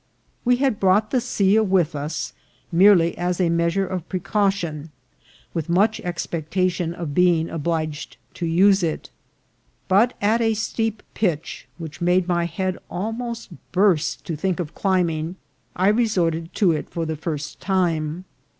We had brought the silla with us merely as a meas ure of precaution, with much expectation of being obliged to use it ; but at a steep pitch, which made my head almost burst to think of climbing, I resorted to it for the first time.